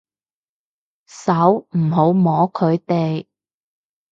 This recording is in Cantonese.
手，唔好摸佢哋